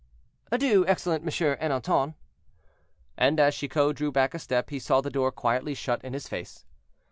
"Adieu, excellent Monsieur Ernanton." And as Chicot drew back a step, he saw the door quietly shut in his face.